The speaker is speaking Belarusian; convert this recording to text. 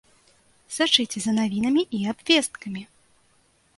Сачыце за навінамі і абвесткамі!